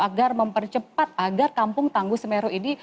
agar mempercepat agar kampung tangguh semeru ini